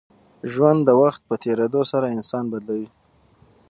ژوند د وخت په تېرېدو سره انسان بدلوي.